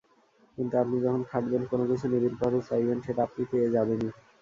কিন্তু আপনি যখন খাটবেন, কোনো কিছু নিবিড়ভাবে চাইবেন, সেটা আপনি পেয়ে যাবেনই।